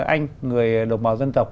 anh người đồng bào dân tộc